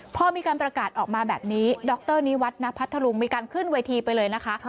พอมีการประกาศออกมาแบบนี้ดรนิวัฒนพัทธรุงมีการขึ้นเวทีไปเลยนะคะ